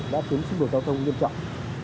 đã khiến sinh vụ giao thông nghiêm trọng